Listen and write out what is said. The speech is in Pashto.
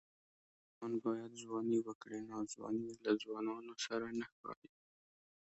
ځوان باید ځواني وکړي؛ ناځواني له ځوانانو سره نه ښايي.